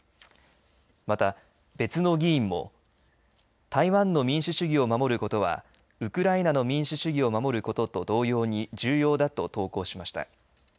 また、別の議員も台湾の民主主義を守ることはウクライナの民主主義を守ることと同様に重要だと投稿しました。